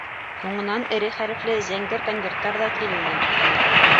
Һуңынан эре хәрефле зәңгәр конверттар ҙа килеүенән туҡтаны.